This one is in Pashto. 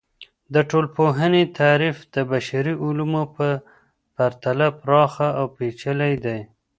د ټولنپوهنې تعریف د بشري علومو په پرتله پراخه او پیچلي دی.